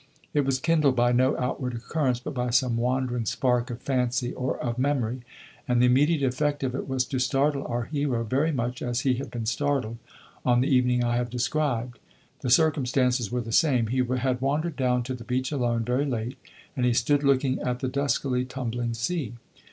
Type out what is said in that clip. It was kindled by no outward occurrence, but by some wandering spark of fancy or of memory, and the immediate effect of it was to startle our hero very much as he had been startled on the evening I have described. The circumstances were the same; he had wandered down to the beach alone, very late, and he stood looking at the duskily tumbling sea.